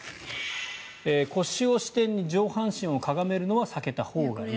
腰を支点に上半身をかがめるのは避けたほうがいい。